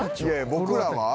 僕らは？